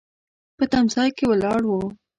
په تم ځای کې ولاړ و.